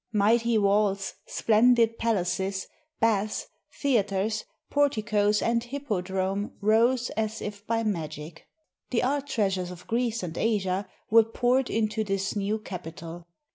Mighty walls, splendid palaces, baths, theaters, porticoes, and hippodrome rose as if by magic. The art treasures of Greece and Asia were poured into this new capital.